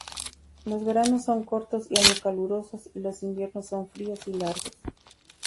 Los veranos son cortos y algo calurosos y los inviernos son fríos y largos.